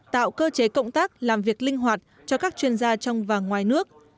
tạo cơ chế cộng tác làm việc linh hoạt cho các chuyên gia trong và ngoài nước